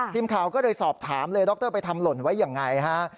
ทีมข่าวก็เลยสอบถามเลยดรไปทำหล่นไว้ยังไงฮะ